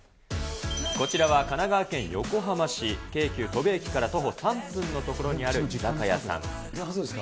こちらは神奈川県横浜市、京急戸部駅から徒歩３分の所にある居酒屋さん。